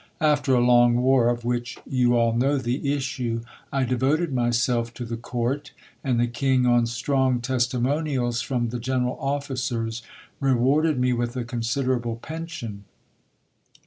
After a long war, of which you all know the issue, I devoted myself to the court ; and the King, on strong testimonials from the general officers, rewarded me with a considerable pension.